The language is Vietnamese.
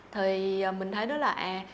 thì mình thấy đó là à